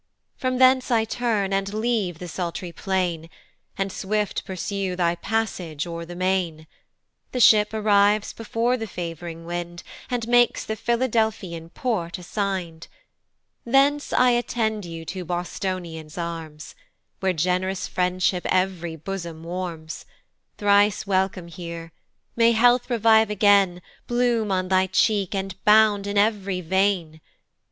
From thence I turn, and leave the sultry plain, And swift pursue thy passage o'er the main: The ship arrives before the fav'ring wind, And makes the Philadelphian port assign'd, Thence I attend you to Bostonia's arms, Where gen'rous friendship ev'ry bosom warms: Thrice welcome here! may health revive again, Bloom on thy cheek, and bound in ev'ry vein!